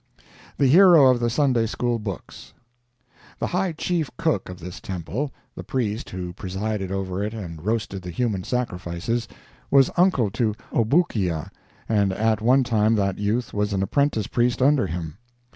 THE HERO OF THE SUNDAY SCHOOL BOOKS The high chief cook of this temple—the priest who presided over it and roasted the human sacrifices—was uncle to Obookia, and at one time that youth was an apprentice priest under him.